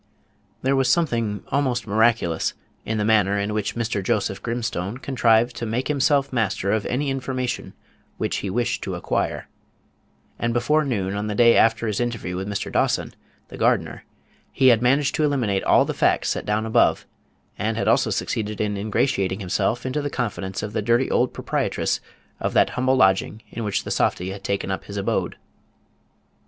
There was something almost miraculous in the manner in which Mr. Joseph Grimstone contrived to make himself master of any information which he wished to acquire; and before noon on the day after his interview with Mr. Dawson, the gardener, he had managed to eliminate all the facts set down above, and had also succeeded in ingratiating himself into the confidence of the dirty old proprietress of that humble lodging in which the softy had taken up his abode.